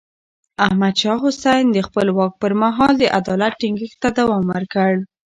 احمد شاه حسين د خپل واک پر مهال د عدالت ټينګښت ته دوام ورکړ.